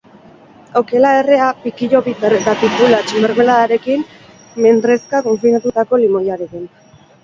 Okela errea pikillo piper eta tipulatx mermeladarekin, mendrezka konfitatutako limoiarekin.